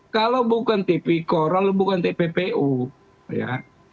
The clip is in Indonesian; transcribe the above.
kalau bukan tipikoral bukan tppu ya